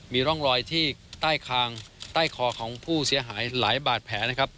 มีร่องรอยที่ใต้คางใต้คอของผู้เสียหายหลายบาดแผลนะครับ